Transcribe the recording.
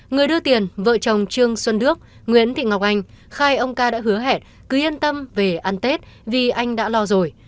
người đưa tiền vợ chồng trương xuân đức nguyễn thị ngọc anh khai ông ca đã hứa hẹn cứ yên tâm về ăn tết vì anh đã lo rồi